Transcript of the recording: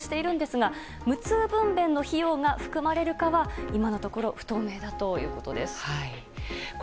政府は出産費用の保険適用を検討しているんですが無痛分娩の費用が含まれるかは今のところ不透明だということです。